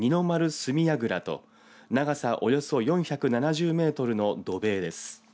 角櫓と長さ、およそ４７０メートルの土塀です。